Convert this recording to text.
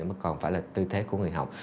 mà còn phải là tư thế của người học